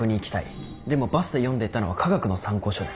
でもバスで読んでいたのは化学の参考書です。